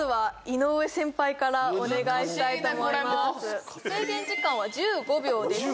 これも制限時間は１５秒です